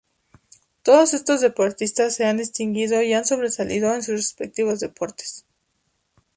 Todos estos deportistas se han distinguido y han sobresalido en sus respectivos deportes.